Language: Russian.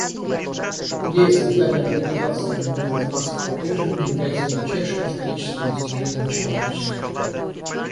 Идея создания Организации Объединенных Наций по-прежнему является величайшим историческим достижением человечества.